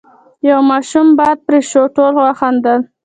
، د يوه ماشوم باد پرې شو، ټولو وخندل،